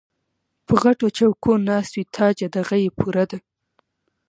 پۀ غټو چوکــــو ناست وي تاجه دغه یې پوره ده